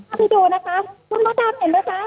เดี๋ยวให้คุณค่ะให้ดูนะคะคุณก็ทำเห็นไหมคะ